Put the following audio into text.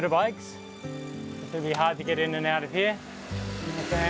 すみません。